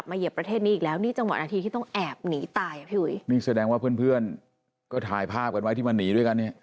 มาอีกแล้วเหรอ